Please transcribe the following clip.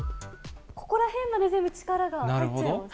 ここらへんまで、全部力が入っちゃいます。